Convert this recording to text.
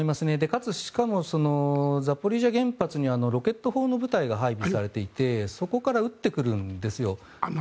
かつしかも、ザポリージャ原発にはロケット砲の部隊が配備されていてそこから撃ってくるんですよ。